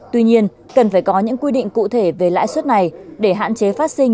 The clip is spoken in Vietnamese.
tuy nhiên cần phải có những quy định cụ thể về lãi suất này để hạn chế phát sinh